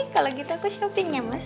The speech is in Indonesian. kalau gitu aku shopping ya mas